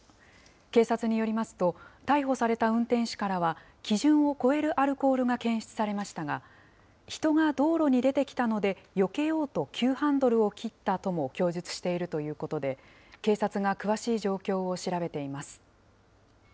警察によりますと、逮捕された運転手からは、基準を超えるアルコールが検出されましたが、人が道路に出てきたので、よけようと急ハンドルを切ったとも供述しているということで、警察が詳しい状況を調べています。